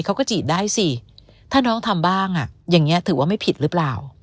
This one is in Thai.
เขาก็จีบได้สิถ้าน้องทำบ้างอ่ะอย่างนี้ถือว่าไม่ผิดหรือเปล่า